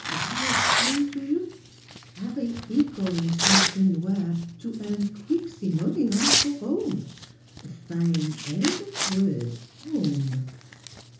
I ex plain to you : 'Arry 'e call heemself Le Noir to earn queek simoleon for 'ome. Fine elegant word 'ome.